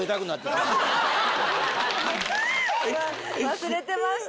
忘れてました。